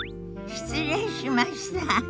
失礼しました。